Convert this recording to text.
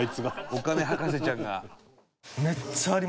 お金博士ちゃんが。